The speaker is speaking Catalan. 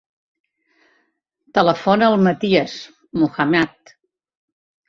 Telefona al Matías Muhammad.